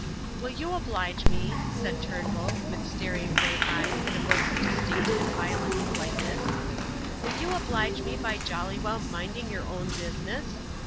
"Will you oblige me," said Turnbull, with staring grey eyes and a voice of distinct and violent politeness; "will you oblige me by jolly well minding your own business?